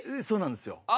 そうなんですよ。